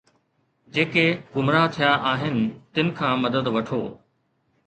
جيڪي گمراھ ٿيا آھن تن کان مدد وٺو